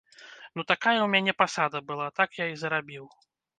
Ну так такая ў мяне пасада была, так я зарабіў.